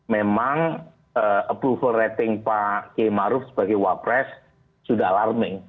memang approval rating pak k maruf sebagai wapres sudah larming